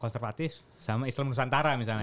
sepatis sama islam nusantara misalnya